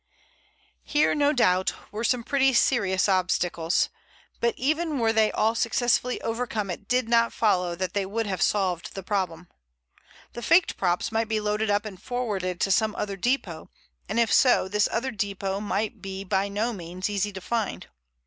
Here no doubt were pretty serious obstacles, but even were they all successfully overcome it did not follow that they would have solved the problem. The faked props might be loaded up and forwarded to some other depot, and, if so, this other depot might be by no means easy to find.